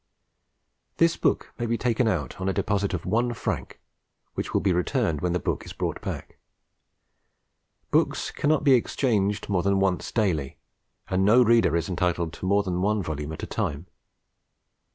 =) This book may be taken out on a deposit of =1 franc.= which will be returned when the book is brought back. _Books cannot be exchanged more than once daily, and no Reader is entitled to more than one volume at a time.